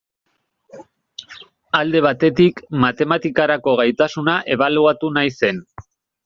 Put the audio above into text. Alde batetik, matematikarako gaitasuna ebaluatu nahi zen.